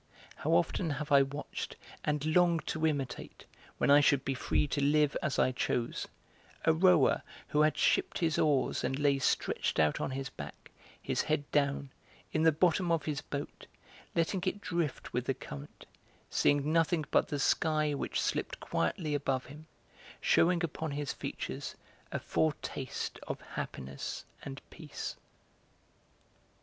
How often have I watched, and longed to imitate, when I should be free to live as I chose, a rower who had shipped his oars and lay stretched out on his back, his head down, in the bottom of his boat, letting it drift with the current, seeing nothing but the sky which slipped quietly above him, shewing upon his features a foretaste of happiness and peace.